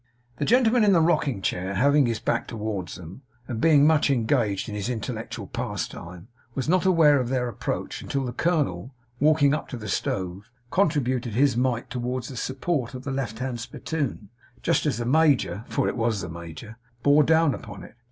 The gentleman in the rocking chair having his back towards them, and being much engaged in his intellectual pastime, was not aware of their approach until the colonel, walking up to the stove, contributed his mite towards the support of the left hand spittoon, just as the major for it was the major bore down upon it.